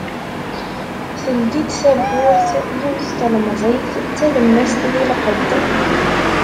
Teldi-d tawwurt yiwet n tlemẓit d talemmast di lqedd.